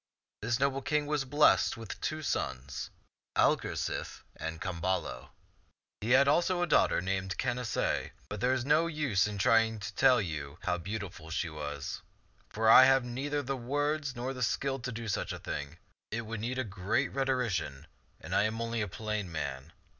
This noble king was blessed with two sons, Algar sife and Camballo. He had also a daughter named Canacee ; but there is no use in my trying to tell you how beautiful she was, for I have neither the words nor the skill to do such a thing ; it would need a great rhetorician, and I am only a plain man.